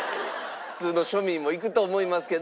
普通の庶民も行くと思いますけど。